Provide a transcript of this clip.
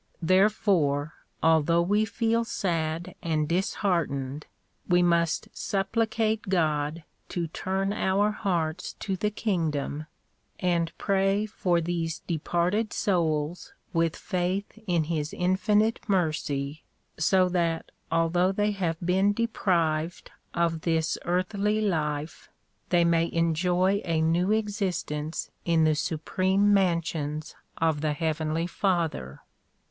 Therefore although we feel sad and disheartened we must supplicate God to turn our hearts to the kingdom, and pray for these departed souls with faith in his infinite mercy, so that although they have been deprived of this earthly life they may enjoy a new existence in the supreme mansions of the heavenly Father.